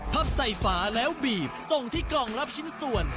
พับใส่ฝาแล้วบีบส่งที่กล่องรับชิ้นส่วน